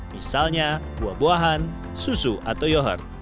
misalnya buah buahan susu atau yohort